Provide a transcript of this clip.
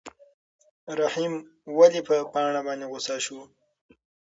رحیم ولې په پاڼه باندې غوسه شو؟